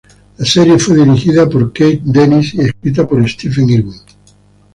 La serie fue dirigida por Kate Dennis y escrita por Stephen Irwin.